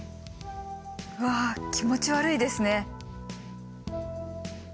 うわ気持ち悪いですね。